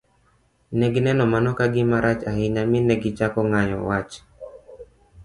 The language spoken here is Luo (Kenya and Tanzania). Ne gineno mano ka gima rach ahinya mi ne gichako ng'ayo wach.